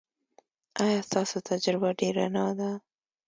ایا ستاسو تجربه ډیره نه ده؟